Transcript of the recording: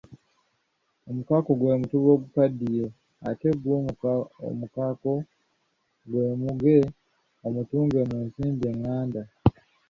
Omukaaku gwe mutuba ogukaddiye ate gwo omukaako gwe muge omutunge mu nsimbi enganda.